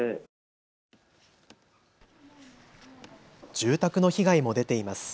住宅の被害も出ています。